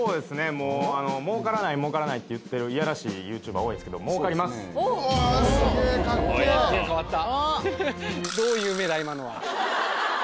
もう儲からない儲からないって言ってるいやらしいＹｏｕＴｕｂｅｒ多いんですけどおスゲえかっけ